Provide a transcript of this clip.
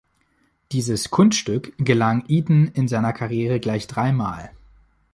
Dieses "Kunststück" gelang Eaton in seiner Karriere gleich drei Mal.